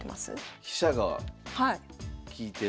飛車が利いてる。